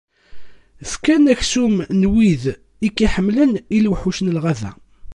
Fkan aksum n wid i k-iḥemmlen, i lewḥuc n lɣaba.